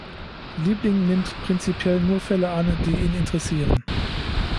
Liebling nimmt prinzipiell nur Fälle an, die ihn interessieren.